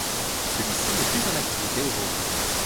Celui-ci n'est plus en activité aujourd'hui.